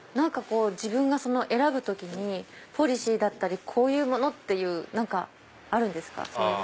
自分が選ぶ時にポリシーだったりこういうもの！っていう何かあるんですか？